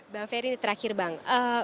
bang ferry terakhir bang